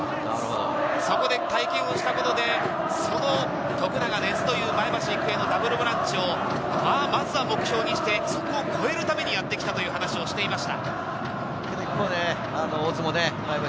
そこで体験をしたことで、徳永、根津という前橋育英のダブルボランチをまずは目標にして、そこを超えるためにやってきたという話をしていました。